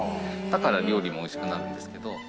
だから料理もおいしくなるんですけど。